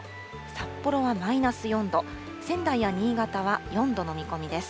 札幌はマイナス４度、仙台や新潟は４度の見込みです。